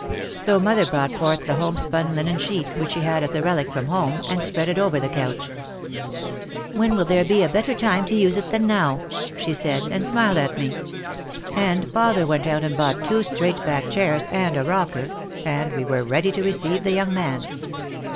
So mother brought forth the homespun linen sheet, which she had as a relic from home, and spread it over the couch. "When will there be a bet ter time to use it than now ?" she said and smiled at me. And father went out and bought two straight back chairs and a rocker, and we were ready to receive the young man.